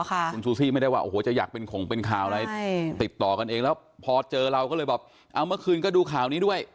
คุณซูซี่ไม่ได้ว่าโอ้โหจะอยากเป็นข่งเป็นข่าวอะไรติดต่อกันเองแล้วพอเจอเราก็เลยแบบเอาเมื่อคืนก็ดูข่าวนี้ด้วย